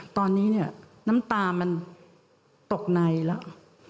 ตอนนี้เนี่ยน้ำตามันตกในแล้ว